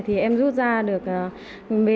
thì em rất thích